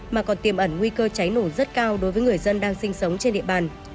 mà còn tiềm ẩn nguy cơ cháy nổ rất cao đối với người dân đang sinh sống trên địa bàn